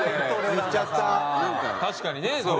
確かにね。